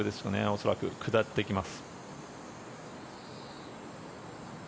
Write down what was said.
恐らく下っていきます。